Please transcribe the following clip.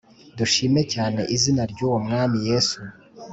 Dushime cyane izina ryuwo mwami Yesu